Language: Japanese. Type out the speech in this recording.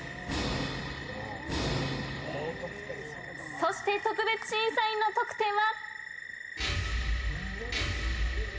そして特別審査員の得点は？